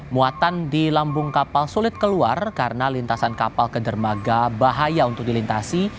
muatan di lambung kapal sulit keluar karena lintasan kapal ke dermaga bahaya untuk dilintasi